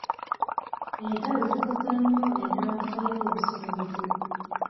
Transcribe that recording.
Entalo zikosa nnyo entambuza y'obusuubuzi.